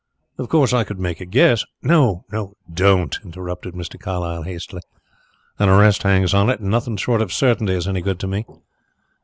"Of course I could make a guess " "No, don't," interrupted Mr. Carlyle hastily. "An arrest hangs on it and nothing short of certainty is any good to me."